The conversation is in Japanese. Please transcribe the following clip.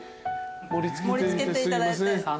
盛り付けていただいて。